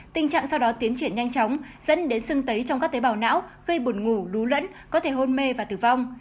tình trạng sau đó tiến triển nhanh chóng dẫn đến sưng tấy trong các tế bào não gây buồn ngủ đú lẫn có thể hôn mê và tử vong